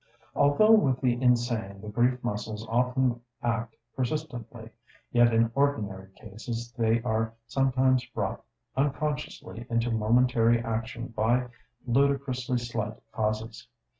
Although with the insane the grief muscles often act persistently; yet in ordinary cases they are sometimes brought unconsciously into momentary action by ludicrously slight causes.